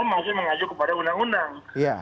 masih mengacu kepada undang undang